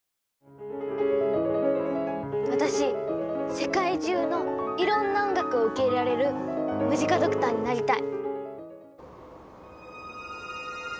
私世界中のいろんな音楽を受け入れられるムジカドクターになりたい。